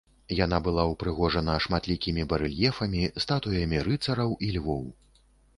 Яна была ўпрыгожана шматлікімі барэльефамі, статуямі рыцараў і львоў.